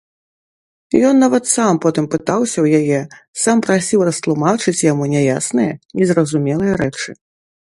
Ён нават сам потым пытаўся ў яе, сам прасіў растлумачыць яму няясныя, незразумелыя рэчы.